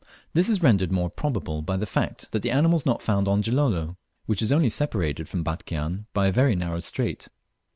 This is rendered more probable by the fact that the animal is not found in Gilolo, which is only separated from Batchian by a very narrow strait.